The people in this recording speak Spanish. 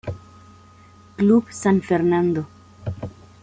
Club San Fernando.